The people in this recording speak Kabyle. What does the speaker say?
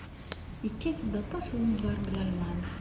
Yekkat-d aṭas wenẓar deg Lalman?